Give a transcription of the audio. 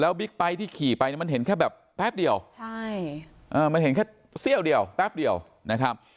บิ๊กไบท์ที่ขี่ไปมันเห็นแค่แบบแป๊บเดียวใช่มันเห็นแค่เสี้ยวเดียวแป๊บเดียวนะครับ